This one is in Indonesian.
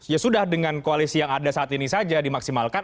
ya sudah dengan koalisi yang ada saat ini saja dimaksimalkan